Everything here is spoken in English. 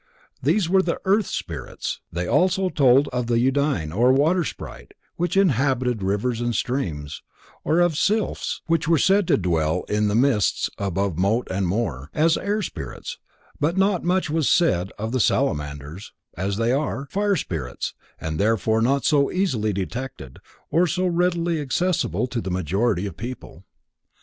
These were the earth spirits. They also told of the Undine or water sprite, which inhabited rivers and streams, of Sylphs which were said to dwell in the mists above moat and moor, as air spirits, but not much was said of the Salamanders, as they are, fire spirits, and therefore not so easily detected, or so readily accessible to the majority of people.